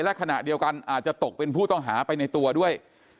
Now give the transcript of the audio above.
และขณะเดียวกันอาจจะตกเป็นผู้ต้องหาไปในตัวด้วย